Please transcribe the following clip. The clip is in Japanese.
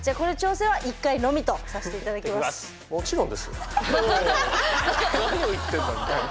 じゃあこれは何を言ってんだみたいな。